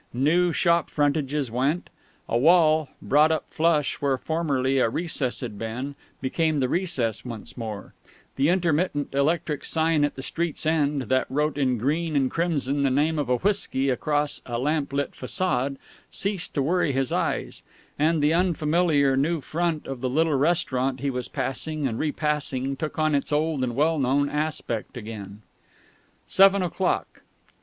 New shop frontages went; a wall, brought up flush where formerly a recess had been, became the recess once more; the intermittent electric sign at the street's end, that wrote in green and crimson the name of a whiskey across a lamp lit façade, ceased to worry his eyes; and the unfamiliar new front of the little restaurant he was passing and repassing took on its old and well known aspect again. Seven o'clock.